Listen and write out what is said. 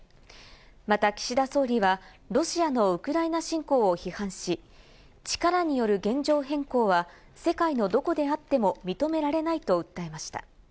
また岸田総理はロシアのウクライナ侵攻を批判し、力による現状変更は世界のどこであっても認められないと訴えました。